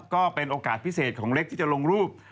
ก็เป็นโอกาสพิเศษของเล็กที่จะลงรูป